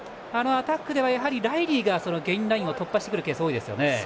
アタックではライリーがゲインラインを突破するケースが多いですね。